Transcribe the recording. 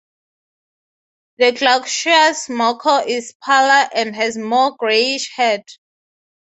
The glaucous macaw is paler and has a more greyish head.